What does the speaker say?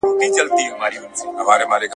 د لیکوالو تلینونه په ډېر درنښت یادیږي.